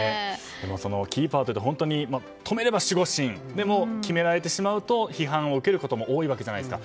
キーパーは、止めれば守護神でも、決められてしまうと批判を受けることも多いわけじゃないですか。